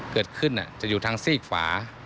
เกิดขึ้นจะอยู่ทางซีกฝา